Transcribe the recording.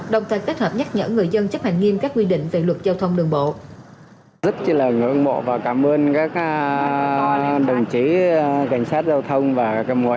đồng thời kết hợp nhắc nhở người dân chấp hành nghiêm các quy định về luật giao thông đường bộ